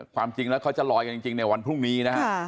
ความจริงแล้วเขาจะลอยกันจริงในวันพรุ่งนี้นะฮะ